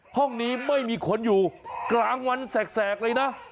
ห้องนี้ไม่มีคนอยู่กลางวันแสกเลยนะ